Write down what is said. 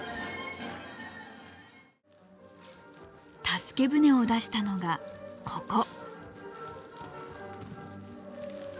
助け船を出したのがここ。